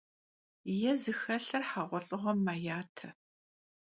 Yê zıxelhır heğuelh'ığuem meyate.